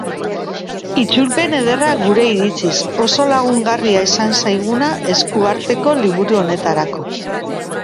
Itzulpen ederra gure iritziz, oso lagungarria izan zaiguna esku arteko liburu honetarako.